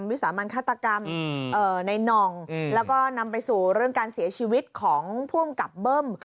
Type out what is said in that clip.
วิสามารคฆาตกรรม